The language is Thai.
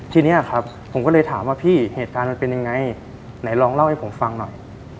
ทีนี้ครับผมก็เลยถามว่าพี่เหตุการณ์มันเป็นยังไงไหนลองเล่าให้ผมฟังหน่อย